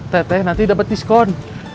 teh nanti dapat diskon